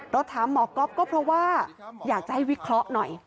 ถามหมอก๊อฟก็เพราะว่าอยากจะให้วิเคราะห์หน่อย